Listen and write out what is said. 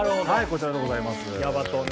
こちらでございます。